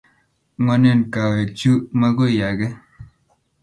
Ngwanen kawek chu, makoi ae